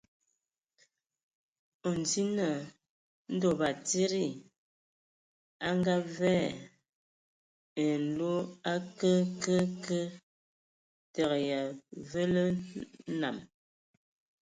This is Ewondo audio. O ndzi naa ndɔ batsidi a ngavaɛ ai loe a kɛɛ kɛé kɛɛ, tǝgǝ ai avǝǝ lǝ nam.